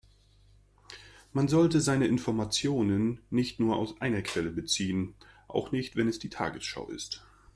Man sollte seine Informationen nicht nur aus einer Quelle beziehen, auch nicht wenn es die Tagesschau ist.